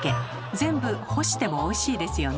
全部干してもおいしいですよね。